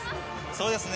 そうですね。